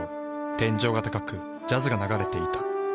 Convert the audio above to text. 天井が高くジャズが流れていた。